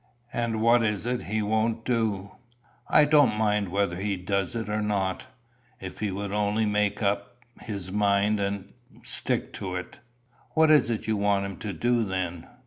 "And what is it he won't do?" "I don't mind whether he does it or not, if he would only make up his mind and stick to it." "What is it you want him to do, then?"